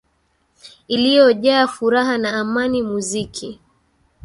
iliojaa furaha na amani muziki